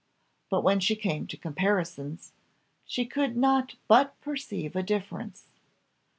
But when she came to comparisons, she could not but perceive a difference.